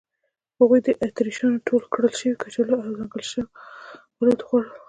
هغوی د اتریشیانو ټول کرل شوي کچالو او د ځنګل شاه بلوط وخوړل.